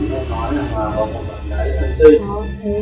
cô thì nói là hỏa không có bạn gái ở xuyên